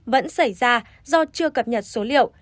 vẫn xảy ra do chưa cập nhật số liệu